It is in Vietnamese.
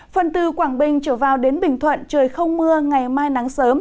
phần từ quảng bình trở vào đến bình thuận trời không mưa ngày mai nắng sớm